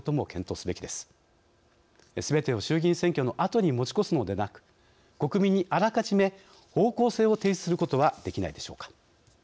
すべてを衆議院選挙のあとに持ち越すのでなく国民に、あらかじめ方向性を提示することはできないでしょうか。